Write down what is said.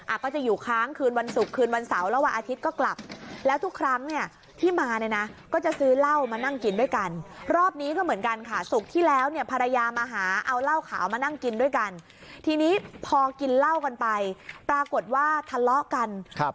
อ่ะก็จะอยู่ค้างคืนวันศุกร์คืนวันเสาร์แล้ววันอาทิตย์ก็กลับ